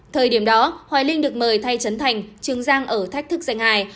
thời điểm đó hoài linh được mời thay trấn thành trương giang ở thách thức giành hài